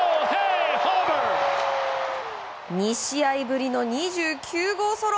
２試合ぶりの２９号ソロ。